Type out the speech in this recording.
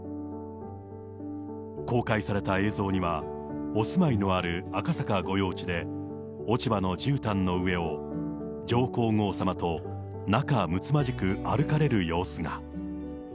公開された映像には、お住まいのある赤坂御用地で、落ち葉のじゅうたんの上を上皇后さまと仲むつまじく歩かれる様子が。